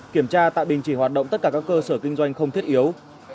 kiểm tra tạm đình chỉ hoạt động tất cả các cơ sở kinh doanh không thiết yếu